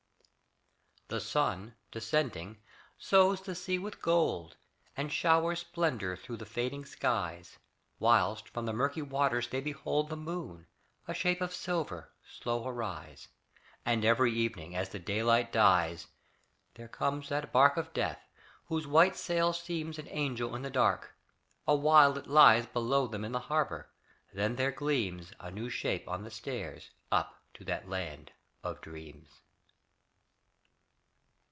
The sun, descending, sows the sea with gold, And showers splendour through the fading skies, Whilst from the murky waters they behold The moon, a shape of silver, slow arise. And every evening, as the daylight dies, There comes that bark of death, whose white sail seems An angel in the dark. A while it lies Below them in the harbour, then there gleams A new shape on the stairs up to that land of dreams.